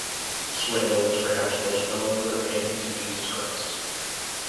Swindle is perhaps most known for her paintings of Jesus Christ.